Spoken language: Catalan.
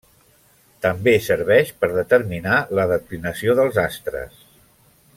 També serveix per determinar la declinació dels astres.